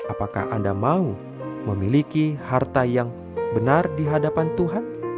apakah anda mau memiliki harta yang benar dihadapan tuhan